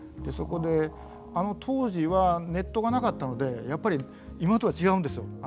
そこであの当時はネットがなかったのでやっぱり今とは違うんですよ。